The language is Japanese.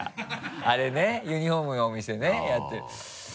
あれねユニホームのお店ねやってる。